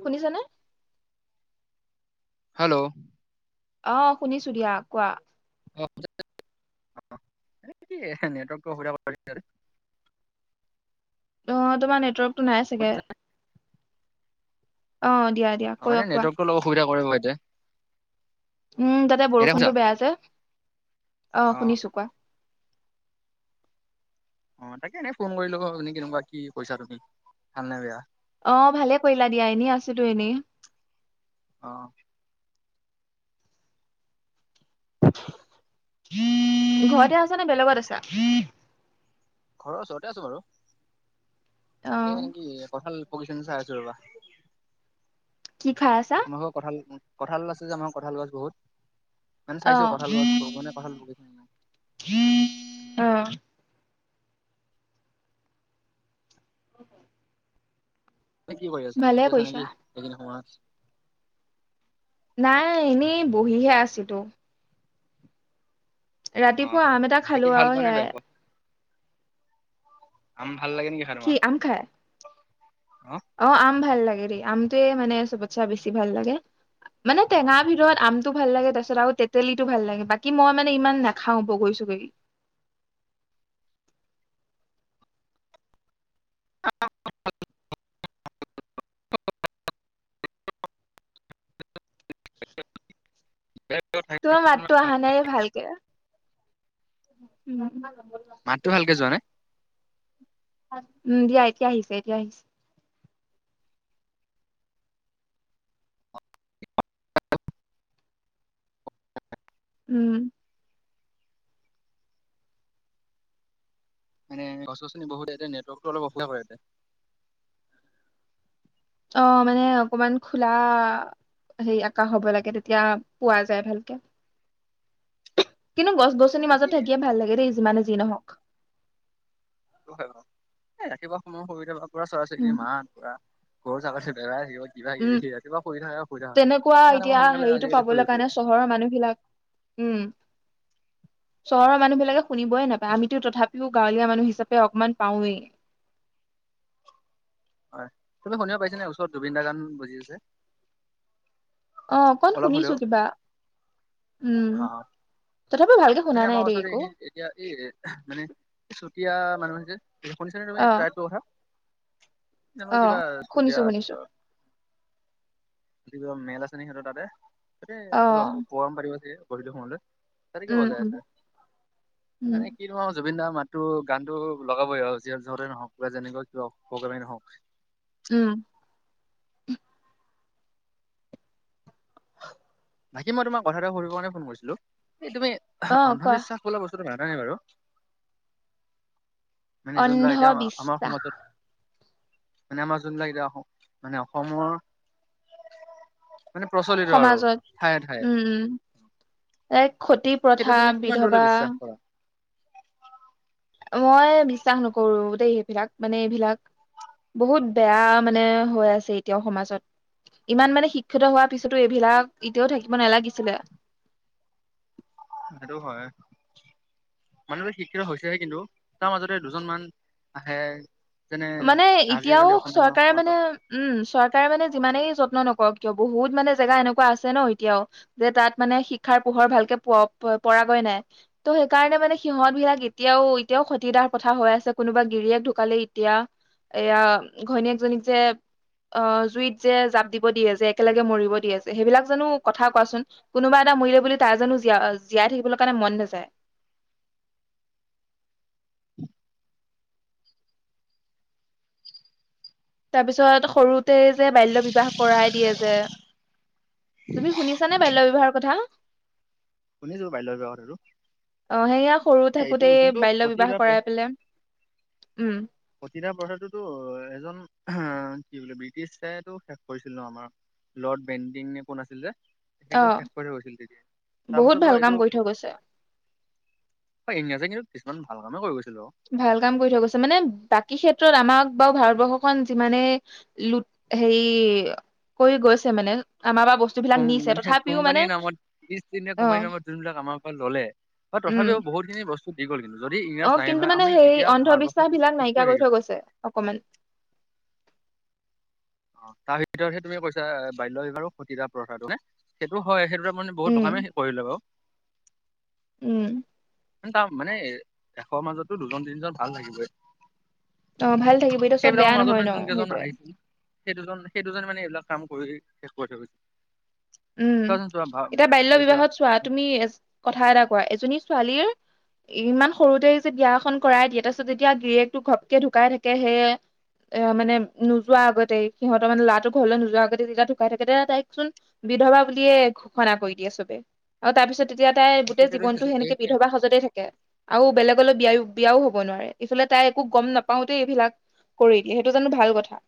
শুনিছনে? হেল্ল' অ শুনিছো দিয়া কোৱা নেটৰ্ অবিধা প অ তোমাৰ নেটৱৰ্ক নাই চাগে, অ দিয়া দিয়া অ মানে কৈ কোৱা। নেটৱৰ্কটো [unintelligible] উম তাতে এতিয়া শুনিছা বৰষুণটো বেয়া আ যে অ শুনিছো কোৱা। অ তাকে এনেই ফোন কৰিলোমি কেনেকুৱা কি কৈছা তুমি ভাল নে বেয়া? অ ভালে কৰিলা দিয়া, এনে আছোতো এনেই অ ঘৰতে আছ নে বেলেগত আছা ঘৰৰ ওচৰতে আছো বাৰু এই অ' মানেকি কঠাল পকী সেন চাই আছোঁ ৰোৱা। কি খাই আছা? আমাৰোক কথা কঁঠাল' ওলাইছে যে আমাৰ কঁঠাল গছ বহুত মানে চাইছো অ' কঠাল গছব মানে কঁঠাল বিছে নাই অ' [inaudible] কি কৰি আছা ভালে পঢ়ি আছা কৰিছা। নেকি এইখিনি সময়ত? অ নাই এনেই। বহিহে আছিলিতো অ ৰাতিপুৱা আম এটা বাকী খালো ভাল আৰু পোৱা নে বেয়া সেয়াই পোৱা আম ভাল লাগে নেকি খাৰ কি মাৰ আম খাই? অ আম ভাল লাগে আমটোৱে মানে চবতছে বেছি ভাল লাগে মানে টেঙা ভিতৰত আমটো ভাল লাগে তাৰ পিছত আৰু তেতেলীটো ভাল লাগে বাকী মই মানে ইমান নাখাও বগৰী চগৰী অ তোমাৰ মাতটো অহা নাই ভালকে মাতটো ভালকে যোৱা নাই উম দিয়া এতিয়া আহিছে এতিয়া আহিছে উম মানে গছ গছনি বহুত ইতে নেটৱৰ্কটো অলপ অসুবিধা কৰে ইতে অ মানে অকমান খোলা হেৰি আকাশ হব লাগে তেতিয়া পোৱা যায় ভালকে কিন্তু গছ গছনি মানে কি মাজত থাকিয়ে ভাল লাগে দেই যিমানে যি নহওক হয় ৰাতিপুৱা সময়ৰ সুবিধা প উম [unintelligible] মাত পুৰা ক' চাগছে বেৰা আ [unintelligible] উম তেনেকুৱা সেইকাৰণে মই এতিয়া সোনকালে হেৰিটো আজিকালি শুই পাবলৈ কাৰ উঠো নে চহৰৰ মানুহবিলাক, উম। চহৰৰ মানুহ বিলাকে শুনিবয়ে নাপায় আমিতো তথাপিও গাঁৱলীয়া মানুহ হিচাপে অকমান পাওৱেই। হয় তুমি শুনিব পাইছা নে? ওচৰত জুবিন দা গান বাজি আছে? অ অকন অলপ শুনিছো হলেও? কিবা উম আহ তথাপিও ভালকে শুনা মানে নাই আমাৰ দেই ওচৰত একো এই এতিয়া এই মানে চুতীয়া মানে শুনিছে তুমি অ এইটো ৰাইটোৰ কথা? নাযানো অ কিবা শুনিছো চুতিয়া শুনিছো মেল হেহতৰ তাতে অ কিবা পোৱম পাৰিব চাগ কৈল ফোনলে [unintelligible] তাৰকে উম বজাই উম আছে। উম মানে কি ধৰণৰ নজ [unintelligible] জুবিন দাৰ মাতো গানতটো লগাবই আৰু যিহৰ যতে নহওক বা যেনেকুৱা কিবা প্ৰগেমেগ নহওক। উম বাকী মই তোমাৰ কথা এটা সুধিবৰ কাৰণে ফোন কৰিছিলো, এই তুমি অ কোৱা অন্ধবিশ্বাস বোলা বস্তুটো বাৰু? মানে যোনবিলাক এতিয়া আমা- আমাৰ অন্ধবিশ্বাস সমাজত মানে আমাৰ যোনবিলাক এতিয়া অসম মানে অসমৰ মানে প্ৰচলিত আৰু। ঠায়ে ঠায়ে উম-উম এক ক্ষতি, সেইটো প্ৰথা, তুমি কিমান দূৰলৈ বিধৱা বিশ্বাস কৰা? মই বিশ্বাস নকৰো দেই এইবিলাক, মানে এইবিলাক বহুত বেয়া মানে হৈ আছে এতিয়াও সমাজত। ইমান মানে শিক্ষিত হোৱাৰ পিছতো এইবিলাক এতিয়াও থাকিব নালাগিছিলে। সেইটো হয়, মানুহ শিক্ষিত হৈছেহে কিন্তু তাৰ মাজতে দুজন মান আহে যেনে মানে এতিয়াও আজিকালি অসমীয়া চৰকাৰে সমাজত মানে, উম চৰকাৰে মানে যিমানেই যত্ন নকৰক বহুত মানে জেগা এনেকুৱা আছে ন এতিয়াও। যে তাত মানে শিক্ষাৰ পোহৰ ভালকে প পৰাগৈ নাই। ত সেই কাৰণে মানে সিহত বিলাক এতিয়াও-এতিয়াও খ্ষতিদাৰ কথা হৈ আছে কোনোবা গিৰিয়েক ঢুকালে এতিয়া এয়া ঘৈণীয়েকজনীক যে অ জুইত যে জাপ দিব দিয়ে যে একেলগে মৰিব দিয়েছে সেইবিলাক জানো কথা কোৱাচোন? কোনোবা মটা মৰিলে বুলি তাইজানো জ জীয়াই থাকিবলৈ কাৰণে মন নাযায়? তাৰপিছত সৰুতে যে বাল্য বিবাহ কৰাই দিয়ে যে, তুমি শুনিছানে বাল্য বিবাহৰ কথা? শুনিছো বাল্য বিবাহ কথাটো। অ সেয়া সৰু এ এইটো থাকোতে যোনটো, বাল্য সতি বিবাহ প্ৰ কৰাই পেলাই উম সতৰা প্ৰথাদটোতো এজন উ কি বুলে ব্ৰিটিছে টো শেষ কৰিছিল ন আমাৰ লৰ্ড বেণ্ডিং কোন আছিল যে? অ এখেতেও শেষ কৰে গৈছিল তেজয়া। বহুত ভাল কাম কৰি থৈ গৈছে হয় ইংৰাজ এ কিন্তু কিছুমান ভাল কামো কৰি গৈছে ভাল কাম কৰি থৈ গৈছে মানে বাকী ক্ষেত্ৰত আমাক বা ভাৰতবৰ্ষখন যিমানে লুট হেৰি কৰি গৈছে মানে আমাৰ পৰা বস্তু বিলাক কোম নিছে মানে তথাপিও মানে কোম্পানীৰ নামত ইষ্ট ইণ্ডিয়া অ কোম্পানীৰ নামত যোনবিলাক আমাৰ পৰা ললে উম তথাপিও বহুতখিনি বস্তু কিছু দি গল কিন্তু যদি ইংৰাজ অ নাহিল কিন্তু হয় মানে আমি সেই এতিয়া ভাৰতবৰ্ষত অন্ধবিশ্বাস বহুত বিলাক পিছ পৰি নাইকিয়া কৰি থাকিলো থৈ হয়। গৈছে অকমান অ তাৰ ভিতৰতহে তুমি কৈছা বাল্য বিবাহ আৰু সতি দাহ প্ৰথাটো নে সেইটো হয় সেইটো মানে বহুত উম ভালকামে কৰিলে বাও উম তাৰ মানে এশৰ মাজতো দুজন তিনিজন ভাল থাকিবই অ ভাল থাকিব এতিয়া চব সেইবিলাকৰ বেয়া মাজত নহয় মানে ন যোন কেইজন সেইটোৱে আহিছিল সেই দুজন সেই দুজনে মানে এইবিলাক কাম কৰি শেষ কৰি থৈ‌ গৈছে। উম চোৱাচোন চোৱা ভা এতিয়া বাল্য ভাবি বিবাহত চোৱা তুমি কথা এটা কোৱা এজনী ছোৱালীয়ে, - ইমান সৰুতে যে বিয়া এখন কৰাই দিয়ে তাৰপিছত যেতিয়া গিৰীয়াকটো ঘপকে ঢুকাই থাকে সেই এ মানে নোযোৱা আগতেই সিহঁতৰ মানে লৰাটো ঘৰলৈ নোযোৱা আগতে যেতিয়া ঢুকাই থাকে তেতিয়া তাইকচোন বিধৱা বুলিয়ে ঘোষণা কৰি দিয়ে চবে আৰু তাৰপিছত তেতিয়া তাই গোটেই জীৱনতটো সেনেকে বিধৱা সাজতে থাকে আৰু বেলেগলৈ বিয়াও বিয়াও হব নোৱাৰে ইফালে তাই একো গম নাপাওতে এইবিলাক কৰি দিয়ে সেইটো জানো ভাল কথা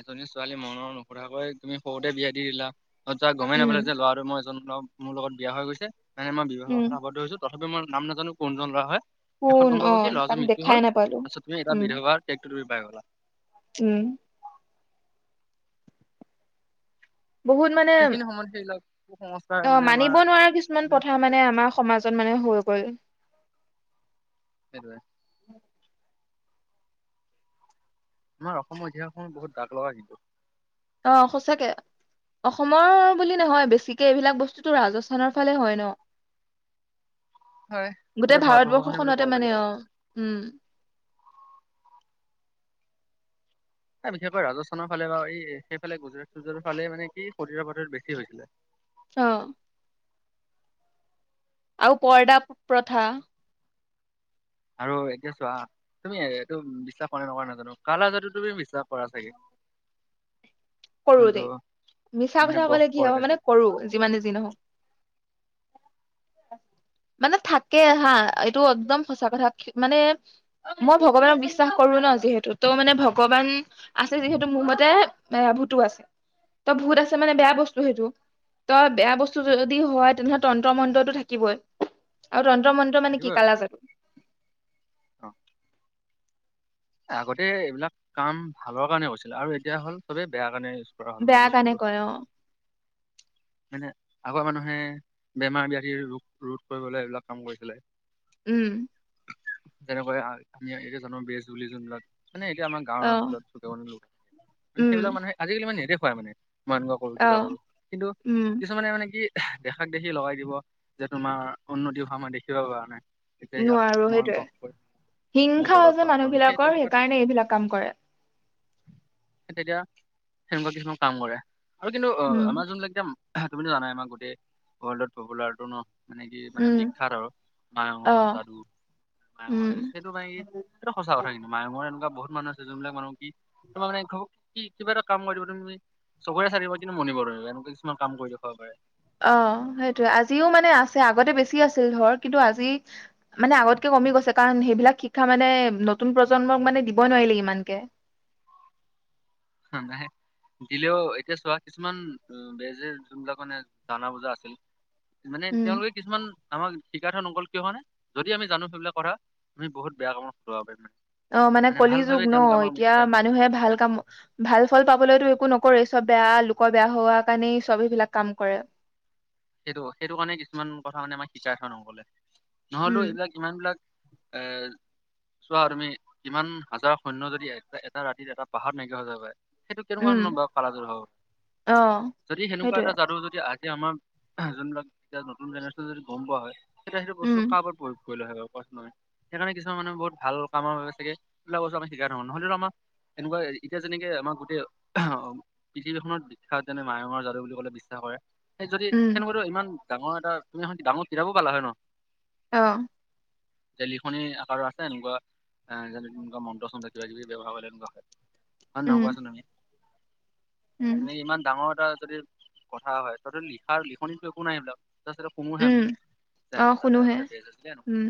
এজনী ছোৱালী মনৰ নোসোধাকৈ তুমি সৰুতে বিয়া দি দিলা অ তাই গমেই উম নাপাল যে লৰা আৰু মই এজন- মোৰ লগত বিয়া হৈ গৈছে মানে মই বিবাহত উম আৱদ্ধ হৈছো সেইটো মই নাম নাজানো কোনজন লৰা হয়। শেষত কোন গম অ পাব কি তাক লৰাজনৰ মৃত্যু দেখাই হল নাপালো তাৰপছত তুমি এটা উম বিধৱাে বেখটো? ল। উম। বহুত মানে সেইখিনি সময় সেই ল। অ মানিব নোৱাৰা কিছুমান প্ৰথা সমাজত মানে আমাৰ সমাজত মানে হৈ। হয় ই। হেতু। আমাৰ অসমৰ ইতিহাসখন বহুত দাগ লগা কিন্তু? অ সচাকে অসমৰ বুলি নহয় বেছিকে এইবিলাক বস্তুটো ৰাজস্থানৰ ফালে হয়, ন। হয় গোটেই ভাৰতবৰ্ষখনে বুলি ক'ব ভাৰতবৰ্ষখনতে পাৰি আৰু। মানে অ উম। ন বিশেষকৈ ৰাজস্থানৰ ফালে বা এই সেইফালে গুজৰাট চুজৰাটৰ ফালে মানে কি শৰীৰৰ প্ৰতিৰ বেছি হৈছিলে? অ। আও পৰ্দা প্ৰথা। আৰু এতিয়া চোৱা তুমি এইটো বিশ্বাস নকৰা নাজানো কালাযাদু তুমি বিশ্বাস? পৰা থাকে। কৰো দেই মিছা মানে কথা বস কলে কি হব কৰে যে মানে কৰো যিমানে যি নহওক? মানে থাকে হা এইটো একদম সঁচা কথা মানে মই ভগৱানক বিশ্বাস কৰো ন যিহেতু ত' মানে ভগৱান আছে যিহেতু মোৰ মতে এ ভ। ত ভুত আছে মানে বেয়া বস্তু সেইটো তই বেয়া বস্তু যদি হয় তেনেহলে তন্ত্ৰ মন্ত্ৰতটো থাকিবই আৰু তন্ত্ৰ। তন্তৰ মন্ত্ৰৰ মানে কি থাকিব অ কালাযাদু আৰু। আগতে এইবিলাক কাম ভালৰ কাৰণে কৰিছিল আৰু এতিয়া হ'ল চবে বেয়া কাৰণে? কৰা হ'ল মানে বেয়া কানে বস্তুটো কৰে অ। মানে আগৰ মানুহে বেমাৰ ব্যাধিৰ ৰোগ ৰোধ কৰিবলৈ এইবিলাক কাম কৰিছিলে? উম। তেনেকৈ আমি এইয়া জানো বে। জুলি জলাত। মানে এতিয়া আমাৰ গাওঁৰ আহ অঞ্চল চকে লোক মানে উম সেইবাক মানহে আজিকালি মানে নেদেখো? হয় মানে। মই এনেকুৱা কৰো কিবা আহ কৰো কিন্তু উম কিছুমানে মানে কি? দেখাক দেখি লগাই দিব যে তোমাৰ উন্নতি হোৱা মই দেখিব পৰা নাই? এতিয়া ইয়াক নোৱাৰো মই সেইটয়ে বস কৰিম মোৰ হিংসা যে দলত মান। বস মানুহ কৰিম সেই বিলাকৰ তেনেকুৱাত সেইকাৰণে এইবিলাক কাম কৰে? তেতিয়া সেনেকুৱা কিছুমান কাম কৰে? আৰু কিন্তু উম আমাৰ জোনবিলাক মানুহ? তুমিতো জানাই আমাৰ গোটেই ৱৰ্ল্ডত পপুলাৰটো ন। মানে কি মানে উম বিখ্যাত আৰু অ মায়ঙৰ যাদু মায়ঙৰ উম সেইটো মানে কি? টো সচা কথা কিন্ত মাঙয়ৰ এনেকুৱা মানুহ আছে যোনবিলাক মানুহ কি তোমাৰ মানে ঘ কি কিবা এটা কাম কৰিব তুমি চবৰে চাৰিবা কিন্তু মনিব নিবা এনেকে কিছুমান কাম কৰি দেখুৱাব পাৰে। অ সেইটোৱে আজিও মানে আছে আগতে বেছি আছিল ধৰ কিন্তু আজি মানে আগতকে কমি গৈছে কাৰণ সেইবিলাক শিক্ষা মানে নতুন প্ৰজন্মক মানে দিব নোৱাৰিলে ইমানকে নাহে দিলেও এতিয়া চোৱা কিছুমান বেজে যোনবিলাক মানে জানা বুজা আছিল। মানে উম তেওঁলোকে কিছুমান আমাক শিকা থ নক'ল কিয় হয়ানে যদি আমি জানো সেইবিলাক কথামি বহুত বেয়া কামতো ব্যৱহাৰ কৰিব পাৰো। মানে অ মানে কলি ভাল যুগ ভাবে ন তেওঁলোকে আমাক আমি এতিয়া শিকাই থৈ নগ'ল। মানুহে ভাল কাম ভাল ফল পাবলৈতো একো নকৰে চব বেয়া লোকৰ বেয়া হোৱা কাৰণেই চব এইবিলাক কাম কৰে। সেইটো সেইটো কাৰণে কিছুমান কথা মানে আমাক শিকাই আছ ন অংকলে নহলেও উম এইবিলাক ইমান বিলাক এ চোৱা তুমি কিমান হাজাৰ সৈন্য যদি এটা এটা ৰাতিত এটা পাহাৰ নাইকীয়া হৈ যাব পাৰে। সেইটো কেনেকুৱা উম ধৰণৰ বাৰু কালাযাদু অ হওক যদি সেনেকুৱা সেইটোৱে এটা যাদু যদি আ যেতিয়া আমাৰ যোনবিলাক এতিয়া নতুন জেনেৰেশ্যন যদি গম পোৱা হয় তেতিয়া সেইটো বস্তু উম কাৰব প্ৰয়োগ কৰি ল হয়য় সেইকাৰণে কিছুমান মানুহে বহুত ভাল কামৰ বাবে চাগে সবিলাক বস্তু আমি শিকাই থৰো নহ'লেতো আমাক এনেকুৱা এতিয়া যেনেকে আমাক গোটেই আহ পৃথিৱীখনত যেনে মায়ঙৰ যাদু বুলি ক'লে বিশ্বাস কৰে। সেই উম সন মোৰ ইমান ডাঙৰ এটা তুমি ডাঙৰ কিতাবো পালা হয় ন আহ যে লিখনি আকাৰৰ আছে এনেকুৱা এ যে এনেকুৱা মন্ত্ৰ চন্ত্ৰ কিবা কিবি ব্যৱহাৰ কৰেলে তেনেকুৱা অ উম নবোৱাচ আজি উম এনে ইমান ডাঙৰ এটা যদি কথা হয় টতেলি তাৰ লিখনিতো একো নাই এইবিলাক তাৰপিছতে কুমোহে আমি উম যে অ তাতে শুনোহে আগতে বেজ আছিলে উম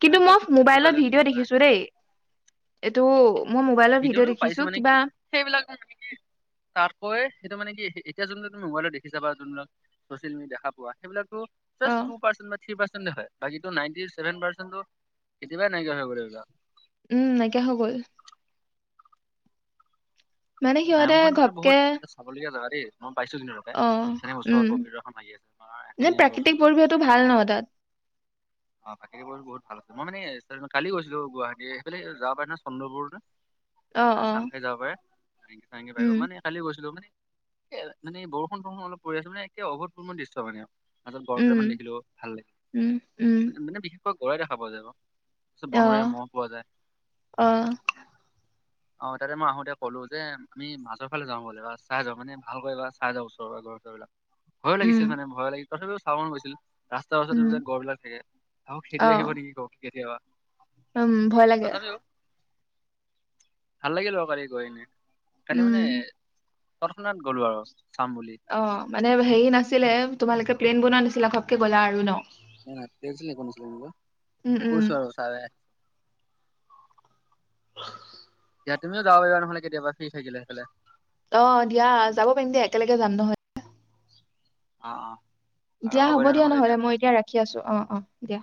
কিন্তু এক বেজ মই কৰিছিলো মোবাইলত আজ ভিডিঅ' নাই দেখিছো দেই এইটো মই মোবাইলত ভিডিঅ' ভিডঅটো দেখিছো পাইছো মানে কি কিবা সেইবিলাক মানে নেকি তাতকৈ সেইটো মানে কি এতিয়া যোনটো তুমি মোবাইলত দেখিছা যোনবিলাক চচিয়েল মিডিয়া দেখা পোৱা সেইবিলাক অ টু পাৰ্চট থ্ৰী পাৰ্চ কেতিয়াই নাইকিয়া হৈ ক উম নাইকিয়া হৈ গ'ল মানে সিহঁতে নায়ংখনতো ঘপকে বহুত এটা চাবলগীয়া য দেই মই পাইছো তিনিটকে অ যেনেক ওচৰত উম পবিত্ৰ এখন লাগি আছে তোমাৰ নে এহিঙীয়া প্ৰাকৃতিক গড় পৰিৱেশটো ভাল ন তাত অ বাকে বহুত ভাল আছে মই মানে কালি গৈছিলো গুৱাহাটী সেইফালে যাব পাৰে ন চন্দ্ৰপুৰতে অ মানে অ চাং খাই যাব পাৰে। ভে চে ভাগ উম মানে খালি গৈছিলো মানে এ মানে বৰষুণ বৰষুণ অলপ পৰি আছে মানে একে অভূতপূৰ্বণ দৃশ্য মানে মাজত গড় উম কেইটামান দেখিলোও ভাল লাগে। উম উম মানে বিহু? গড় দেখা পোৱা যাব। তাৰপিছত অ বনৰীয়া মহ পোৱা যায়। অ অ তাতে মই আহোতে ক'লো যে আমি মাজৰ ফালে যাওঁ বলা ৰাস্তা চাই যাওঁ মানে ভালকৈবাৰ চাই যাওঁ ওচৰৰ সেইবিলাক। ভয় উম লাগিছিল মানে ভয় লাগিছিল। তথাপিও চাব মন গৈছিল। ৰাস্তা ওচৰতে উম যে গড়ঁ বিলাক থাকে। অ খেদি আহিব নেকি ক? কেতিয়াবা [inaudible] উম ভয় লাগে। তথাপিও ভাল লাগে লকাৰী গৈ। কালি উম মানে, ততখনাত গ'লো আও। চাম বুলি। অ মানে? হেৰি নাছিলে তোমালোকে প্লেন বনোৱা নাছিলা খবকে গ'লা আৰু ন। [unintelligible] [unintelligible] আৰু উম উম চাৰে। অ এতিয়া তুমিও যাব পাৰিবানহলে কেতিয়াবা ফ্ৰী থাকিলে সেই ফালে। অ দিয়া যাব পাৰিম দিয়া একেলগে যাম নহয়। অ অ। দিয়া হ'ব দিয়া নহলে মই এতিয়া ৰাখি আছো অ অ দিয়া।